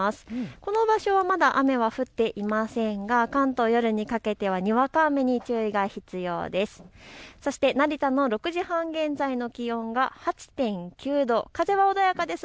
この場所はまだ雨は降っていませんが関東、夜にかけてはにわか雨に注意が必要です。